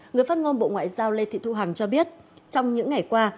người phát ngôn bộ ngoại giao lê thị thu hằng cho biết trong những ngày qua